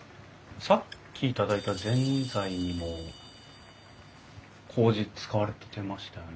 さっき頂いたぜんざいにもこうじ使われてましたよね？